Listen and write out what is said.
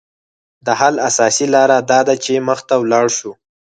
د حل اساسي لاره داده چې مخ ته ولاړ شو